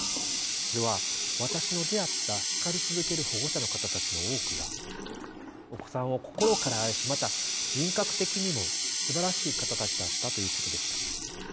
それは私の出会った叱り続ける保護者の方たちの多くがお子さんを心から愛しまた人格的にもすばらしい方たちだったということでした。